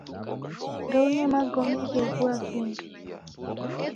Ndeune magome gheghua vindo